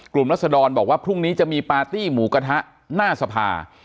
รัศดรบอกว่าพรุ่งนี้จะมีปาร์ตี้หมูกระทะหน้าสภา